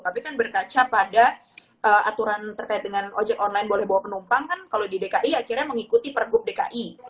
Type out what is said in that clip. tapi kan berkaca pada aturan terkait dengan ojek online boleh bawa penumpang kan kalau di dki akhirnya mengikuti pergub dki